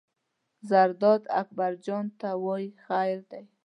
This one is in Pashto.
زرداد اکبر جان ته وایي: خیر دی.